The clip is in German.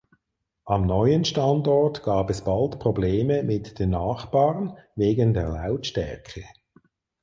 Am neuen Standort gab es bald Probleme mit den Nachbarn wegen der Lautstärke.